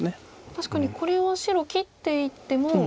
確かにこれは白切っていっても。